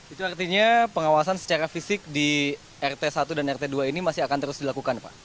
itu artinya pengawasan secara fisik di rt satu dan rt dua ini masih akan terus dilakukan pak